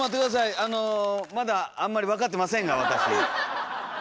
あのまだあんまり分かってませんが私。